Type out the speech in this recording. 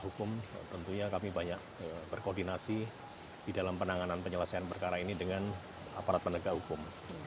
dan aparat penegak hukum tentunya kami banyak berkoordinasi di dalam penanganan penyelesaian perkara ini dengan aparat penegak hukum